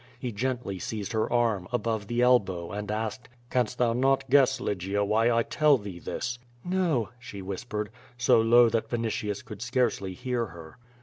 lie gently seized her arm, above the elbow, and asked: "Canst thou not guess, Lygia, Avhy I tell thee this?" "No,^^ she whispered, so low that Vinitius could scarcely hear her.